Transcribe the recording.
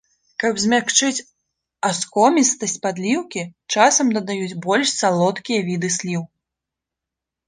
Каб змякчыць аскомістасць падліўкі, часам дадаюць больш салодкія віды сліў.